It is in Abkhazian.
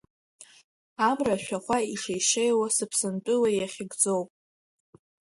Амра ашәахәа ишеи-шеиуа сыԥсынтәыла иахьыкӡоуп.